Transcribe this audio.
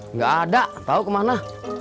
nggak ada tau kemana